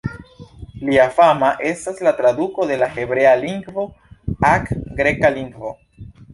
Lia fama estas la traduko de la Hebrea Biblio ak greka lingvo.